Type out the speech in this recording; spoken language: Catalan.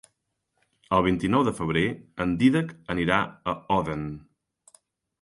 El vint-i-nou de febrer en Dídac anirà a Odèn.